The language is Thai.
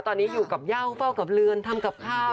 ตอนนี้อยู่กับย่าเฝ้ากับเรือนทำกับข้าว